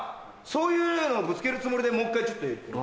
そういうのぶつけるつもりでもう１回ちょっとやってみ。